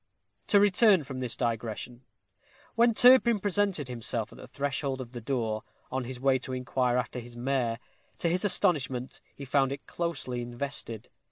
To return from this digression. When Turpin presented himself at the threshold of the door, on his way to inquire after his mare, to his astonishment he found it closely invested.